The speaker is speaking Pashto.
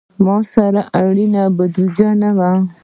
ما سره اړینه بودیجه نه وه.